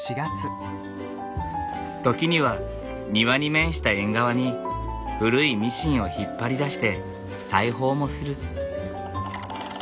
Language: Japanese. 時には庭に面した縁側に古いミシンを引っ張り出して裁縫もする。